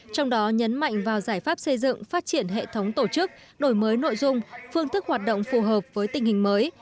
trong đó nhấn mạnh vào giải pháp xây dựng phát triển hệ thống tổ chức đổi mới nội dung phương thức hoạt động phù hợp với tình hình mới